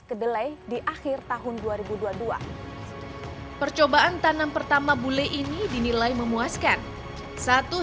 kedelai di akhir tahun dua ribu dua puluh dua percobaan tanam pertama bule ini dinilai memuaskan satu